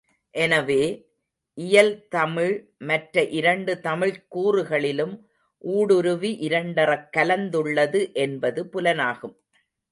எனவே, இயல் தமிழ் மற்ற இரண்டு தமிழ்க் கூறுகளிலும் ஊடுருவி இரண்டறக் கலந்துள்ளது என்பது புலனாகும்.